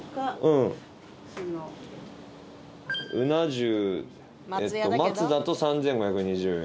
鰻重松だと３，５２０円。